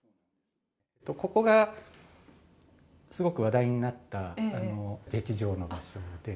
ここがすごく話題になった、劇場の場所で。